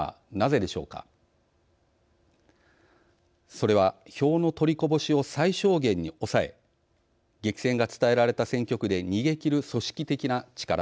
それは票の取りこぼしを最小限に抑え激戦が伝えられた選挙区で逃げ切る組織的な力。